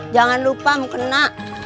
jangan lupa mau kena